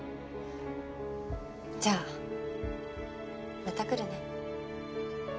じゃあまた来るね。